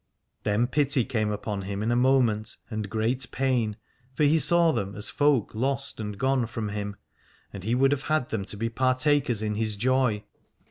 265 Aladore Then pity came upon him in a moment, and great pain : for he saw them as folk lost and gone from him, and he would have had them to be partakers in his joy.